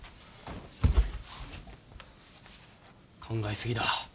考えすぎだ。